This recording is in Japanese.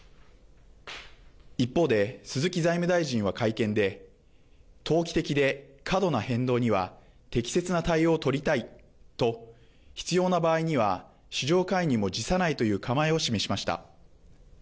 一方で鈴木財務大臣は会見で投機的で過度な変動には適切な対応を取りたいと必要な場合には市場介入も辞さないという構えを示しました。